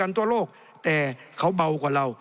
แต่เขาเบากว่าเรา